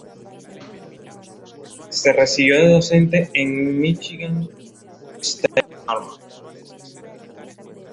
Se recibió de docente en "Michigan State Normal".